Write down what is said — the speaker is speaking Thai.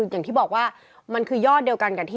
อย่างที่บอกว่ามันคือยอดเดียวกันกับที่